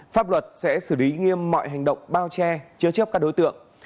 pháp luật sẽ xử lý nghiêm mọi hành động bao che chứa chấp các đối tượng